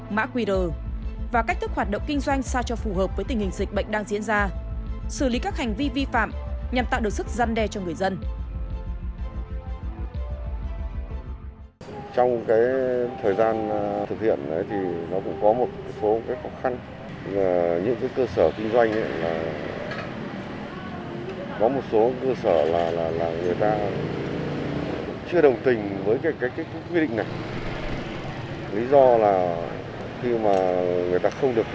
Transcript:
lý do là khi mà người ta không được kinh doanh thì nó sẽ ảnh hưởng đến cái nguồn lợi cái thu nhập của người ta